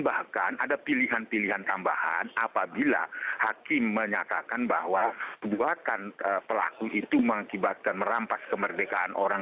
bahkan ada pilihan pilihan tambahan apabila hakim menyatakan bahwa perbuatan pelaku itu mengakibatkan merampas kemerdekaan orang